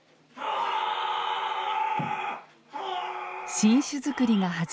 新酒造りが始まる１１月